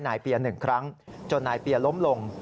นายเปียหนึ่งครั้งจนนายเปียล้มลง